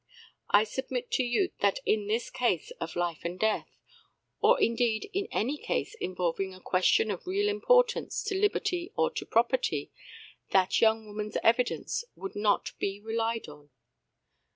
I submit to you that in this case of life and death or, indeed, in any case involving a question of real importance to liberty or to property that young woman's evidence would not be relied on.